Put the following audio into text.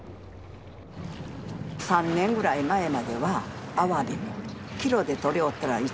３年ぐらい前まではアワビキロで捕れおった。